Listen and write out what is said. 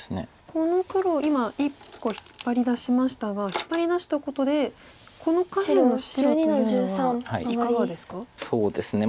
この黒今１個引っ張り出しましたが引っ張り出したことでこの下辺の白というのはいかがですか？